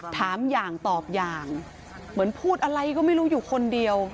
มุมดูเหมือนผู้เลย